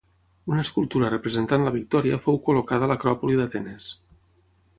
Una escultura representant la victòria fou col·locada a l’Acròpoli d’Atenes.